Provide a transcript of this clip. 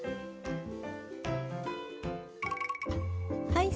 はい。